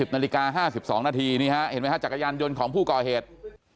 นาฬิกา๕๒นาทีนี่ฮะเห็นไหมฮะจักรยานยนต์ของผู้ก่อเหตุ